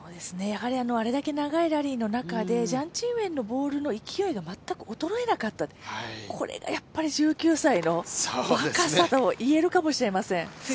あれだけ長いラリーの中でジャン・チンウェンのボールの勢いが全く衰えなかった、これが１９歳の若さといえるかもしれません。